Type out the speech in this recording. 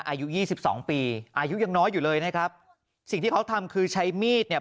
อายุยี่สิบสองปีอายุยังน้อยอยู่เลยนะครับสิ่งที่เขาทำคือใช้มีดเนี่ย